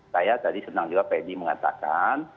saya tadi senang juga pedi mengatakan